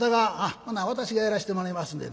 「ほな私がやらしてもらいますんで。